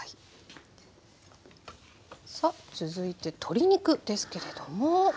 さあ続いて鶏肉ですけれどもこちらは？